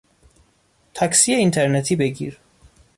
تاکسی اینترنتی بگیر